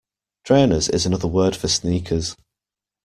Trainers is another word for sneakers